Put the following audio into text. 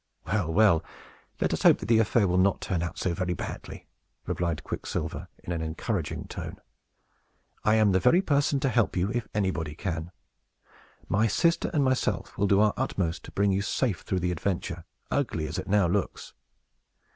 "Well, well, let us hope that the affair will not turn out so very badly," replied Quicksilver, in an encouraging tone. "I am the very person to help you, if anybody can. My sister and myself will do our utmost to bring you safe through the adventure, ugly as it now looks."